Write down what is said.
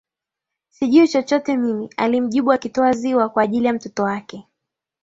Sijui chochote mimi alimjibu akitoa ziwa kwa ajili ya mtoto wake